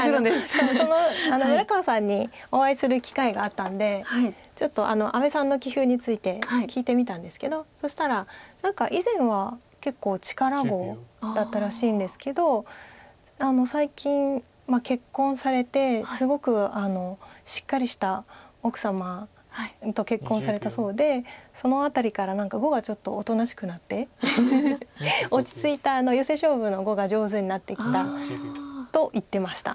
その村川さんにお会いする機会があったんでちょっと阿部さんの棋風について聞いてみたんですけどそしたら何か以前は結構力碁だったらしいんですけど最近結婚されてすごくしっかりした奥様と結婚されたそうでその辺りから何か碁がちょっとおとなしくなって落ち着いたヨセ勝負の碁が上手になってきたと言ってました。